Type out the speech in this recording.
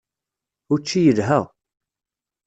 Učči yelha.